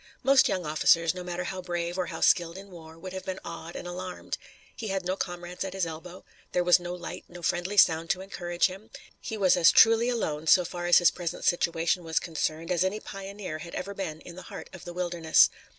Most young officers, no matter how brave or how skilled in war, would have been awed and alarmed. He had no comrades at his elbow. There was no light, no friendly sound to encourage him, he was as truly alone, so far as his present situation was concerned, as any pioneer had ever been in the heart of the wilderness.